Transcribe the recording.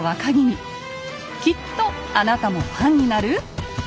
きっとあなたもファンになる？